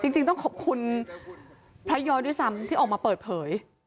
จริงต้องขอบคุณพระย้อยด้วยซ้ำที่ออกมาเปิดเผย